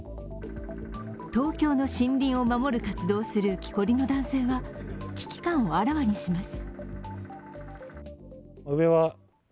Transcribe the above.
東京の森林を守る活動をするきこりの男性は、危機感をあらわにします。